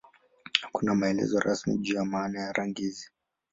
Hakuna maelezo rasmi juu ya maana ya rangi hizi.